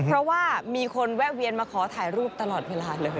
เพราะว่ามีคนแวะเวียนมาขอถ่ายรูปตลอดเวลาเลย